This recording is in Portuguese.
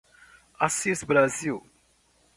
Assis Brasil